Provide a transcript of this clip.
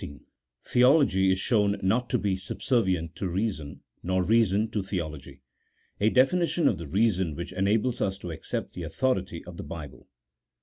TnEOLOGT IS SHOWN NOT TO BE SUBSERVIENT TO REASON, NOR REASON TO THEOLOGY: A DEFINITION OF THE REASON WHICH ENABLES US TO ACCEPT THE AUTHORITY OF THE BIBLE.